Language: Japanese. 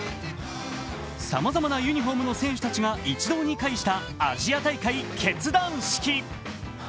さまざまなユニフォームの選手たちが一堂に会したアジア大会結団式。